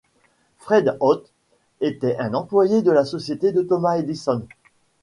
Fred Ott était un employé de la société de Thomas Edison.